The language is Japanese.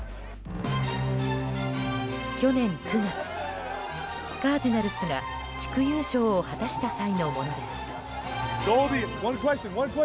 去年９月、カージナルスが地区優勝を果たした際のものです。